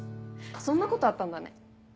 そんなことあったんだね。